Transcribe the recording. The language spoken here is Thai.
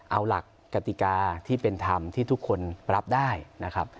เอาหลักกติกาที่เป็นธรรมที่ทุกคนรับได้นะครับ